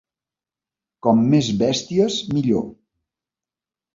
Com més bèsties millor.